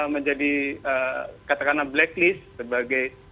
menjadi katakanlah blacklist sebagai